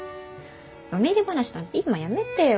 嫁入り話なんて今やめてよ。